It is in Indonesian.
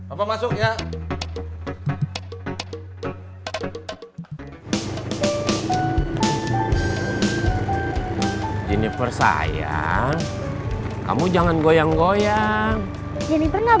apa masuknya jenifer sayang kamu jangan goyang goyang jenifer nggak